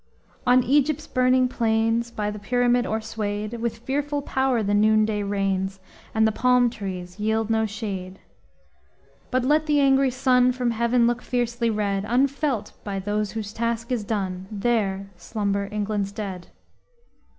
On Egypt's burning plains, By the pyramid o'erswayed, With fearful power the noonday reigns, And the palm trees yield no shade; But let the angry sun From heaven look fiercely red, Unfelt by those whose task is done! There slumber England's dead.